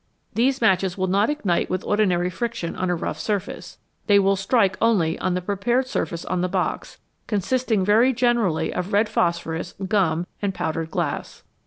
These matches will not ignite with ordinary friction on a rough surface ; they will strike only on the prepared surface on the box, consisting very generally of red phosphorus, gum, and powdered glass.